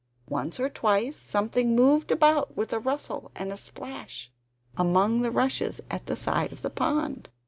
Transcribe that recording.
Once or twice something moved about with a rustle and a splash amongst the rushes at the side of the pond.